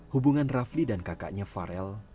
hubungan rafli dan kakaknya farel